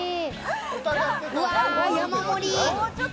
うわ、山盛り。